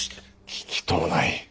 聞きとうない。